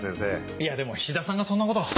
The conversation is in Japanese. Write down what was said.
いやでも菱田さんがそんなこと。